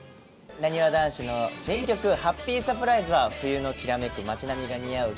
なにわ男子の新曲『ハッピーサプライズ』は冬のきらめく街並みが似合う